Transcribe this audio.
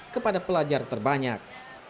kepada pelajar terbanyak